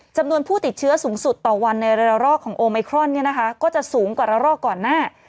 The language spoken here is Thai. จำนวนผู้ติดเชื้อสูงสุดต่อวันในระรอกของโอไมครอนเนี่ยนะคะก็จะสูงกว่าระรอกก่อนหน้า